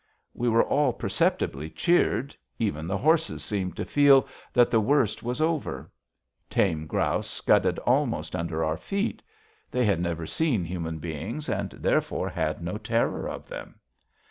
We were all perceptibly cheered; even the horses seemed to feel that the worst was over. Tame grouse scudded almost under our feet. They had never seen human beings, and therefore had no terror of them.